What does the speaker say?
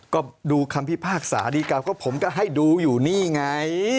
ก็ดูคำพิพากษาดีกรรมก็ผมก็ให้ดูอยู่นี่ไง